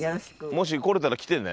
もし来れたら来てね。